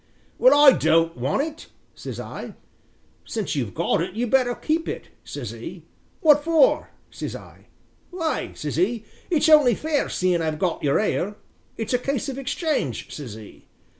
'Well, I don't want it,' says I. 'Since you've got it you'd better keep it,' says 'e. 'Wot for?' says I? 'Why,' says 'e, 'it's only fair seein' I've got your ale it's a case of exchange,' says 'e.